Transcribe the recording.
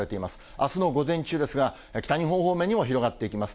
あすの午前中ですが、北日本方面にも広がっていきます。